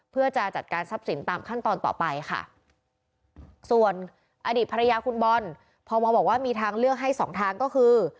เพื่อจะจัดการทรัพย์สินตามขั้นตอนต่อไปค่ะส่วนอดีตภรรยาคุณบอลพมบอกว่ามีทางเลือกให้สองทางก็คือ